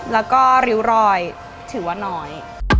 แล้วก็ริ้วรอยถือว่าน้อย